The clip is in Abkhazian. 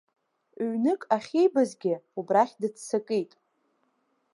Ҩнык ахьибазгьы убрахь дыццакит.